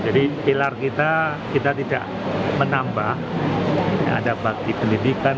jadi pilar kita tidak menambah yang ada bagi pendidikan